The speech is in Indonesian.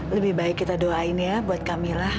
lebih baik kita doain ya buat kamila